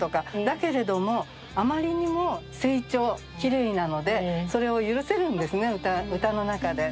だけれどもあまりにも清澄きれいなのでそれを許せるんですね歌の中で。